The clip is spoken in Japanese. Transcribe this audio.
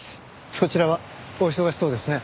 そちらはお忙しそうですね。